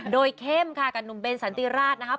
โดยเข้มค่ะกับหนุ่มเบนสันติราชนะครับ